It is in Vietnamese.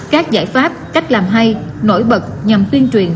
các giải pháp cách làm hay nổi bật nhằm tuyên truyền